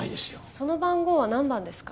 その番号は何番ですか？